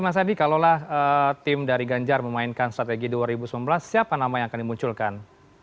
mas adi kalaulah tim dari ganjar memainkan strategi dua ribu sembilan belas siapa nama yang akan dimunculkan